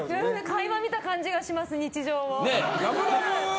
垣間見た感じがします、日常を。